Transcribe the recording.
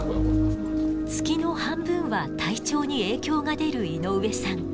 月の半分は体調に影響が出る井上さん。